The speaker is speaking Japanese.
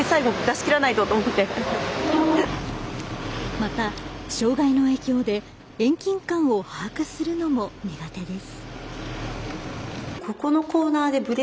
また障がいの影響で遠近感を把握するのも苦手です。